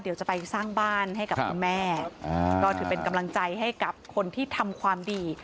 เดี๋ยวจะไปสร้างบ้านให้กับคุณแม่ก็ถือเป็นกำลังใจให้กับคนที่ทำความดี